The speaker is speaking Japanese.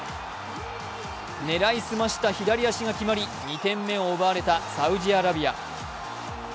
狙い澄ました左足が決まり２点目を奪われたサウジアラビア。